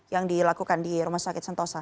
yang dilakukan di rumah sakit sentosa